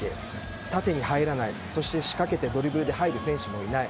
縦に入らない、そして仕掛けてドリブルで入る選手もいない。